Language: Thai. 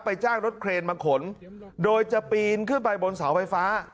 จ้างรถเครนมาขนโดยจะปีนขึ้นไปบนเสาไฟฟ้า